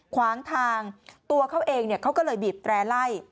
ขวางทางตัวเขาเองเขาก็เลยบีบแตร่ไล่